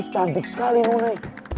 cantik sekali nona